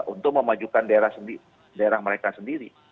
untuk memajukan daerah mereka sendiri